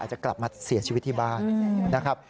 จะกลับมาเสียชีวิตที่บ้านนะครับ